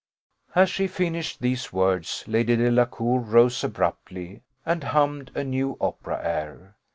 As she finished these words, Lady Delacour rose abruptly, and hummed a new opera air.